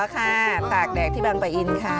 อ๋อค่ะตากแดดที่บางประอินทร์ค่ะ